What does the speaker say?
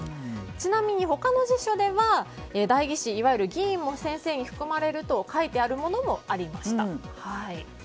ちなみに他の辞書では代議士、いわゆる議員も先生に含まれると書いてあるものもありました。